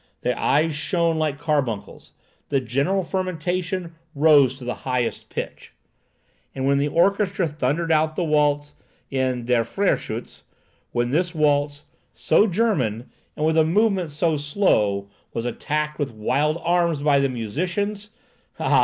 The eyes shone like carbuncles. The general fermentation rose to the highest pitch. And when the orchestra thundered out the waltz in "Der Freyschütz,"—when this waltz, so German, and with a movement so slow, was attacked with wild arms by the musicians,—ah!